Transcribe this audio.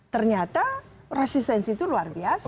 ternyata resistensi itu luar biasa